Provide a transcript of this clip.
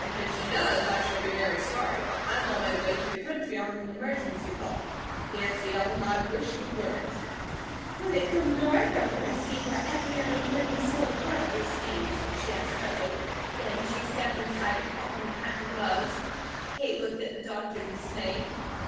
"If she does, I shall be very sorry, but I'm on my way to the country on an emergency call. Nancy Ellen, I wish you wouldn't!" "Wouldn't go North, or wouldn't see what every other living soul in Hartley sees?" she asked curtly. Then she stepped inside to put on her hat and gloves. Kate looked at the doctor in dismay.